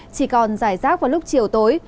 chỉ còn dài rác vào lúc chiều tối